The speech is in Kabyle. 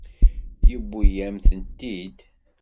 Yewwi-yam-tent-id.